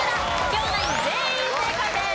両ナイン全員正解です。